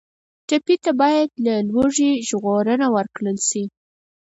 ټپي ته باید له لوږې ژغورنه ورکړل شي.